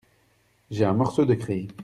J’ai un morceau de craie.